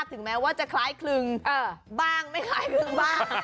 ถึงแม้ว่าจะคล้ายคลึงบ้างไม่คล้ายคลึงบ้าง